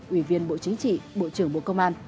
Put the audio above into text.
ủy viên bộ chính trị bộ trưởng bộ công an